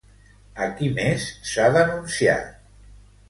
A qui més s'ha denunciat?